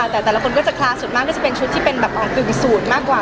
แต่แต่ละคนก็จะคลามากถนัดจะเป็นชุดที่ออกกึ่งสู่มนุษย์มากกว่า